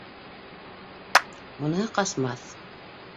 Уныһы ҡасмаҫ.